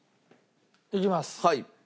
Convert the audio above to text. いきます。